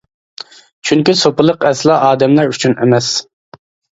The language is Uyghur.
چۈنكى سوپىلىق ئەسلا ئادەملەر ئۈچۈن ئەمەس.